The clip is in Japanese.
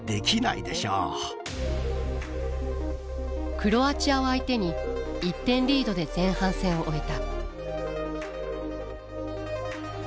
クロアチアを相手に１点リードで前半戦を終えた。